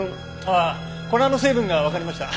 粉の成分がわかりました。